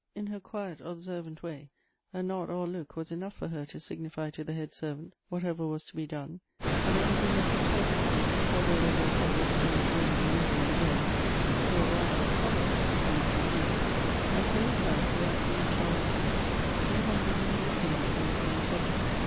In her quiet observ ant way a nod or a look was enough for her to signify to the head servant whatever was to be done, and everything went off perfectly, although there were a couple of strange men in livery in the way, who were rather a trouble than 88 Goethe's a convenience. And so the Count, without feeling Char lotte's hints, went on giving' his opinions on the same subject.